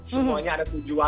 semuanya ada tujuan ada tujuan